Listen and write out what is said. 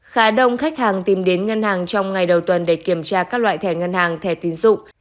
khá đông khách hàng tìm đến ngân hàng trong ngày đầu tuần để kiểm tra các loại thẻ ngân hàng thẻ tín dụng